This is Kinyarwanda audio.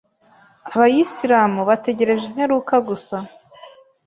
Abayislamu bategereje imperuka gusa